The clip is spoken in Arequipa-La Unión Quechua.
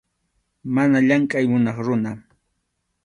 Mana llamkʼay munaq runa.